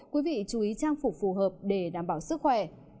quý vị chú ý trang phục phù hợp để đảm bảo sức khỏe